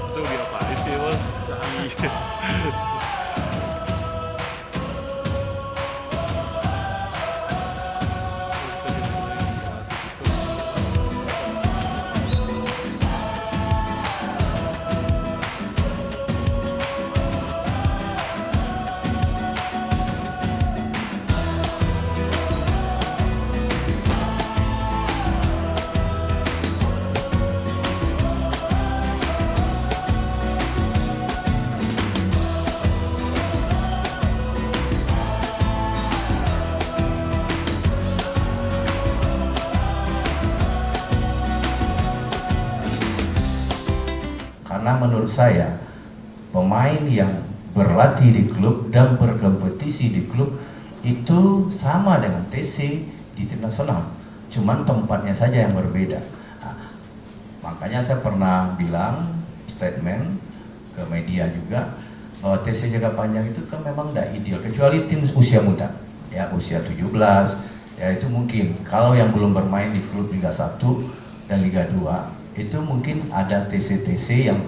jangan lupa like share dan subscribe ya